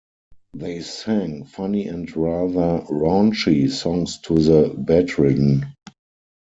They sang funny and rather raunchy songs to the bedridden.